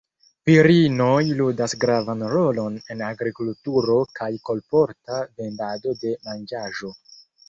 Virinoj ludas gravan rolon en agrikulturo kaj kolporta vendado de manĝaĵoj.